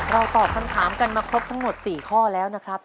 ตอบคำถามกันมาครบทั้งหมด๔ข้อแล้วนะครับ